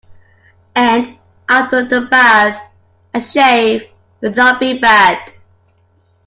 And after the bath a shave would not be bad.